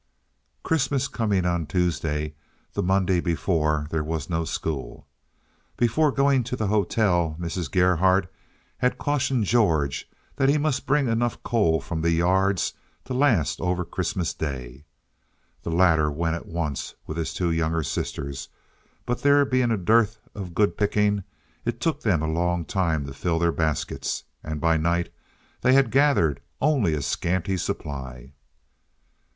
Christmas coming on Tuesday, the Monday before there was no school. Before going to the hotel Mrs. Gerhardt had cautioned George that he must bring enough coal from the yards to last over Christmas day. The latter went at once with his two younger sisters, but there being a dearth of good picking, it took them a long time to fill their baskets, and by night they had gathered only a scanty supply.